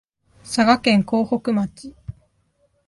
佐賀県江北町